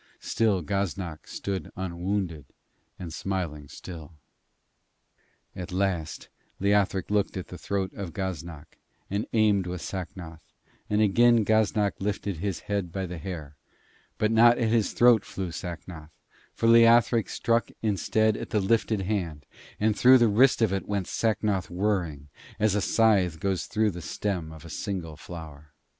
Still Gaznak stood unwounded and smiling still. At last Leothric looked at the throat of Gaznak and aimed with Sacnoth, and again Gaznak lifted his head by the hair; but not at his throat flew Sacnoth, for Leothric struck instead at the lifted hand, and through the wrist of it went Sacnoth whirring, as a scythe goes through the stem of a single flower.